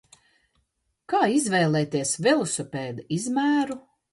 Kā izvēlēties velosipēda izmēru?